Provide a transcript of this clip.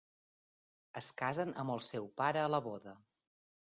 Es casen amb el seu pare a la boda.